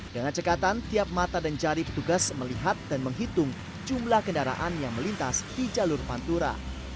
dengan cekatan tiap mata dan jari petugas melihat dan menghitung jumlah kendaraan yang melintas di jalur pantura